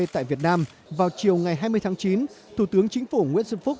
tại việt nam vào chiều ngày hai mươi tháng chín thủ tướng chính phủ nguyễn xuân phúc